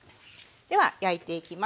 では焼いていきます。